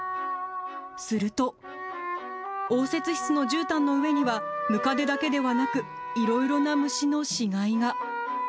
すると、応接室のじゅうたんの上には、ムカデだけではなく、いろいろな虫の死骸が。